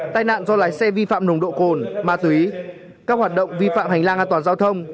tai nạn do lái xe vi phạm nồng độ cồn ma túy các hoạt động vi phạm hành lang an toàn giao thông